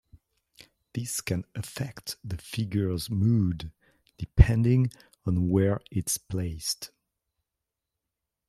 This can affect the figure's mood, depending on where it's placed.